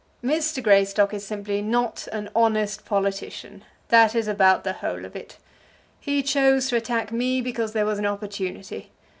"Mr. Greystock is simply not an honest politician. That is about the whole of it. He chose to attack me because there was an opportunity.